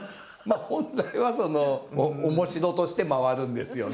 本来はそのおもしろとして回るんですよね。